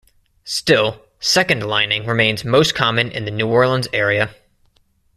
Still, second lining remains most common in the New Orleans area.